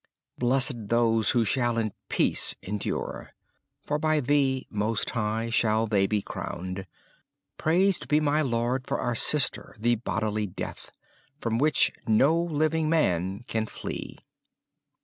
Blessed those who shall in peace endure, For by Thee, Most High, shall they be crowned. Praised be my Lord for our sister, the bodily death. From the which no living man can flee.